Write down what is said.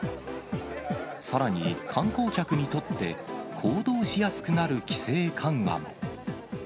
さらに、観光客にとって、行動しやすくなる規制緩和も。